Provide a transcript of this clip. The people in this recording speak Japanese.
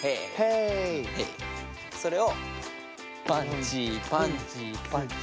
それをパンチパンチパンチ。